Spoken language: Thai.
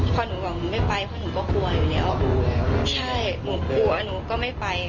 พอหนูบอกหนูไม่ไปเพราะหนูก็กลัวอยู่แล้วใช่หนูกลัวหนูก็ไม่ไป